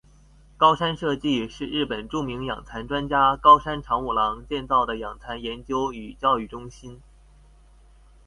高山社迹是日本著名养蚕专家高山长五郎建造的养蚕研究与教育中心。